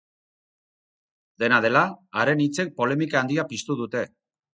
Dena dela, haren hitzek polemika handia piztu dute.